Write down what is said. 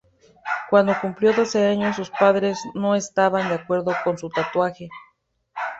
Cuando cumplió doce años, sus padres no estaban de acuerdo con su tatuaje.